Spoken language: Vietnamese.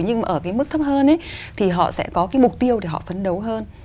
nhưng ở cái mức thấp hơn thì họ sẽ có cái mục tiêu để họ phấn đấu hơn